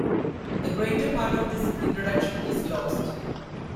The greater part of this introduction is lost.